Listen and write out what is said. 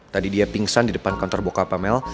tadi dia pingsan di depan kantor bokapnya mel